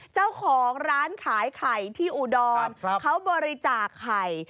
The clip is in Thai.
เจ้าของร้านขายไข่ที่อุดรเขาบริจาคไข่